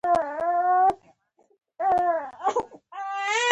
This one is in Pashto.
زه خپله هم خپه شوم.